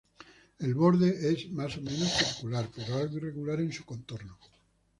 El borde es más o menos circular, pero algo irregular en su contorno.